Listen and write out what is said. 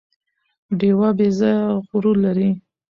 ډیوه بې ځايه غرور لري